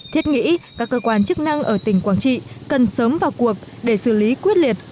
thiết nghĩ các cơ quan chức năng ở tỉnh quảng trị cần sớm vào cuộc để xử lý quyết liệt